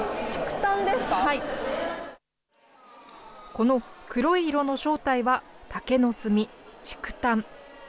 この黒い色の正体は竹の炭、竹炭。